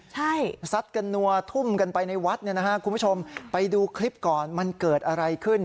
ใช่ซัดกันนัวทุ่มกันไปในวัดเนี่ยนะฮะคุณผู้ชมไปดูคลิปก่อนมันเกิดอะไรขึ้น